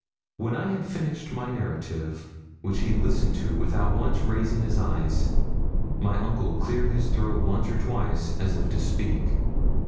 When I had finished my narrative, which he listened to without once raising his eyes, my uncle cleared his throat once or twice, as if to speak.